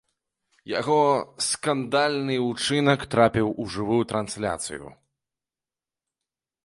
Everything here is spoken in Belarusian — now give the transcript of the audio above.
Яго скандальны ўчынак трапіў у жывую трансляцыю.